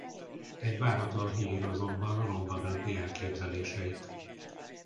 Egy váratlan hír azonban romba dönti elképzeléseit.